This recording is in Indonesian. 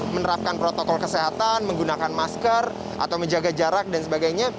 menerapkan protokol kesehatan menggunakan masker atau menjaga jarak dan sebagainya